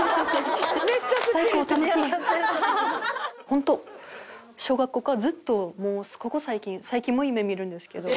本当小学校からずっともうここ最近最近も夢見るんですけど。